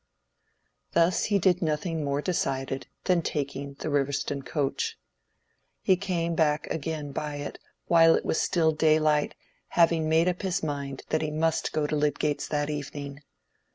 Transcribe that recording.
Thus he did nothing more decided than taking the Riverston coach. He came back again by it while it was still daylight, having made up his mind that he must go to Lydgate's that evening.